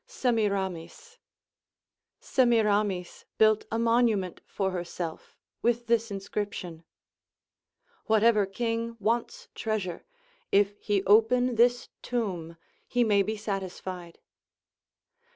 Semiramis. Semiramis built a monument for herself, with AND GREAT COMMANDERS. 137 this inscription : "Whatever king wants treasure, if he open this tomb, he maybe satisfied.